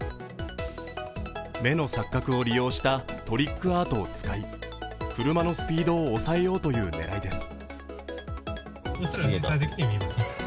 目の錯覚を利用したトリックアートを使い、車のスピードを抑えようという狙いです。